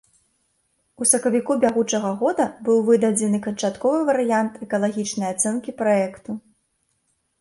У сакавіку бягучага года быў выдадзены канчатковы варыянт экалагічнай ацэнкі праекту.